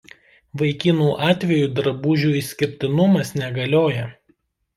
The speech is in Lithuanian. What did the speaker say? Vaikinų atveju drabužių išskirtinumas negalioja.